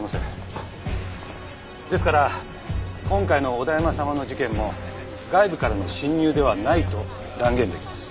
ですから今回の小田山様の事件も外部からの侵入ではないと断言出来ます。